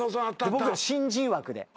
僕ら新人枠で。